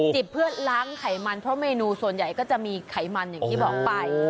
บเพื่อล้างไขมันเพราะเมนูส่วนใหญ่ก็จะมีไขมันอย่างที่บอกไป